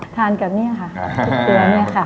ทานกับนี่ค่ะพรุ่งเกลือเนี่ยค่ะ